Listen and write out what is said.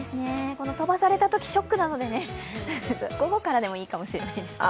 飛ばされたときショックなのでね、午後からでもいいかもしれないですね。